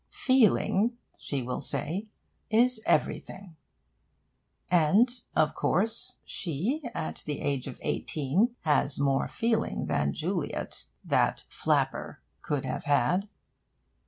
'Feeling,' she will say, 'is everything'; and, of course, she, at the age of eighteen, has more feeling than Juliet, that 'flapper,' could have had.